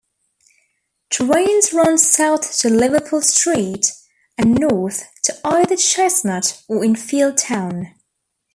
Trains run south to Liverpool Street and north to either Cheshunt or Enfield Town.